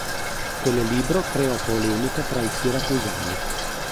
Quel libro creò polemica tra i siracusani.